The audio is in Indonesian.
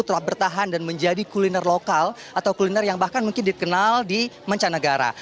jadi kita bisa bertahan dan menjadi kuliner lokal atau kuliner yang bahkan mungkin dikenal di mancanegara